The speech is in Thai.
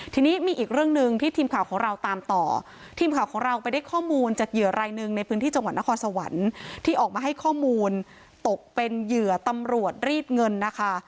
ทีนี้มีอีกเรื่องหนึ่งที่ทีมข่าวของเราตามต่อทีมข่าวของเราไปได้ข้อมูลจากเหยื่อรายหนึ่งในพื้นที่จังหวัดนครสวรรค์ที่ออกมาให้ข้อมูลตกเป็นเหยื่อตำรวจรีดเงินนะคะ